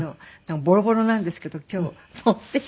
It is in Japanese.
ボロボロなんですけど今日持ってきたんですけど。